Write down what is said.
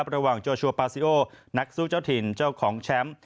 โจชัวปาซิโอนักสู้เจ้าถิ่นเจ้าของแชมป์